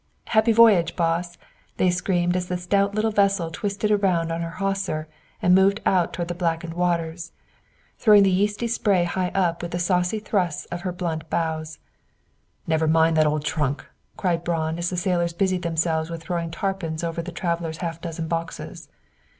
"Happy voyage, boss," they screamed, as the stout little vessel twisted around on her hawser and moved out on the blackened waters, throwing the yeasty spray high up with the saucy thrusts of her blunt bows. "Never mind that old trunk," cried Braun, as the sailors busied themselves with throwing tarpaulins over the traveller's half dozen boxes.